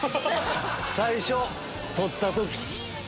最初取った時。